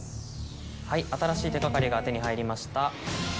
はい新しい手掛かりが手に入りました。